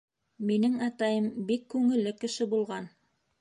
— Минең атайым бик күңелле кеше булған.